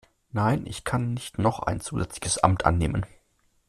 Nein, ich kann nicht noch ein zusätzliches Amt annehmen.